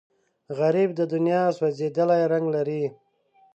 غریب د دنیا سوځېدلی رنګ دی